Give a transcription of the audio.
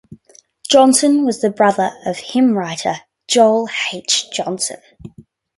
Johnson was the brother of hymnwriter Joel H. Johnson.